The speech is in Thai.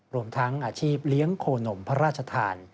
รวมทั้งอาชีพเลี้ยงโคนมพระราชทาน